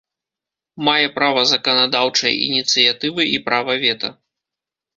Мае права заканадаўчай ініцыятывы і права вета.